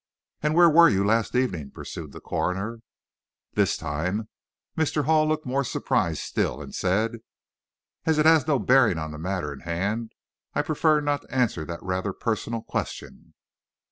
"And where were you last evening?" pursued the coroner. This time Mr. Hall looked more surprised still, and said "As it has no bearing on the matter in hand, I prefer not to answer that rather personal question."